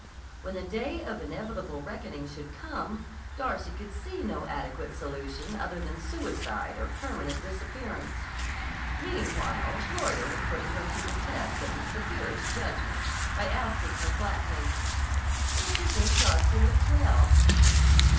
When the day of inevitable reckoning should come, Darcy could see no adequate solution other than suicide or permanent disappearance. Meanwhile Gloria was putting her to the test of the severest judgment by asking her flat mates: "Don't you think Darcy looks well?"